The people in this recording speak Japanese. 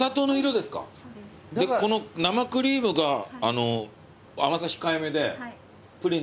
でこの生クリームが甘さ控えめでプリンと合いますよね。